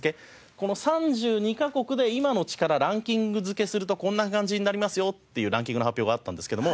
この３２カ国で今の力ランキング付けするとこんな感じになりますよっていうランキングの発表があったんですけども。